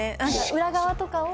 裏側とかを。